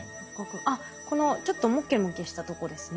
あっこのちょっとモケモケしたとこですね。